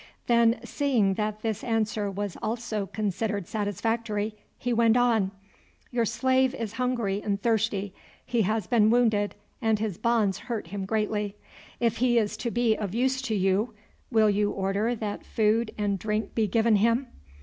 Then seeing that this answer was also considered satisfactory he went on: "Your slave is hungry and thirsty. He has been wounded, and his bonds hurt him greatly. If he is to be of use to you, will you order that food and drink be given him?"